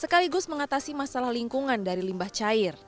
sekaligus mengatasi masalah lingkungan dari limbah cair